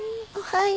はい。